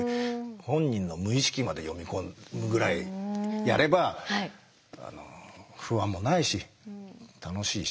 本人の無意識まで読み込むぐらいやれば不安もないし楽しいし。